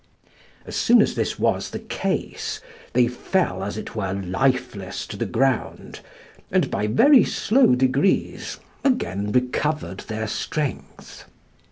As soon as this was the case, they fell as it were lifeless to the ground, and, by very slow degrees, again recovered their strength.